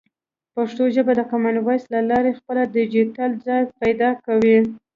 پښتو ژبه د کامن وایس له لارې خپل ډیجیټل ځای پیدا کوي.